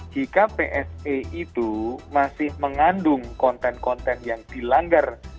jika pse itu masih mengandung konten konten yang dilanggar